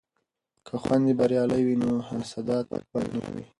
که خویندې بریالۍ وي نو حسادت به نه وي.